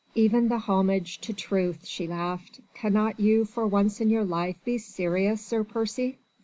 "Even the homage due to truth," she laughed. "Cannot you for once in your life be serious, Sir Percy?"